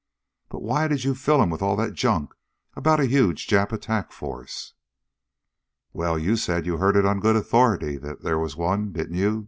"But why did you fill him with all that junk about a huge Jap attack force?" "Well, you said you heard on good authority that there was one, didn't you?"